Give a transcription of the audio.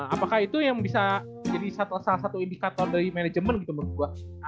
apakah itu yang bisa jadi salah satu indikator dari manajemen gitu menurut gue